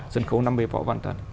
sân khấu năm mươi võ văn tần